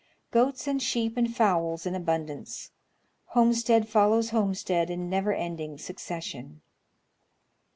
Goats and sheep and fowls in abundance, homestead follows homestead in never ending succession.